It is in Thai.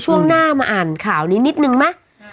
ช่วงหน้ามาอ่านข่าวนี้นิดนึงไหม